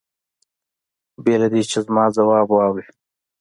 بې له دې چې زما ځواب واوري.